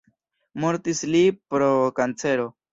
Mortis li pro kancero.